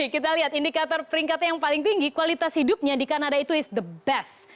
kita lihat indikator peringkatnya yang paling tinggi kualitas hidupnya di kanada itu is the best